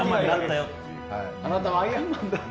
あなたはアイアンマンだよと。